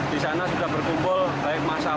di sana sudah bertumpul baik masyarakat